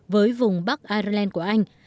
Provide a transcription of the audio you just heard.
với vùng bắc ireland của anh